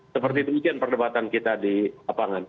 seperti demikian perdebatan kita di lapangan